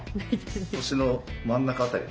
腰の真ん中辺りね。